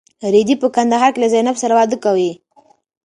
رېدی په کندهار کې له زینب سره واده کوي.